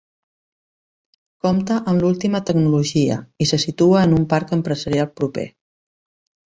Compta amb l'última tecnologia i se situa en un parc empresarial proper.